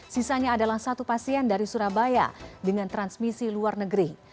sisanya adalah satu pasien dari surabaya dengan transmisi luar negeri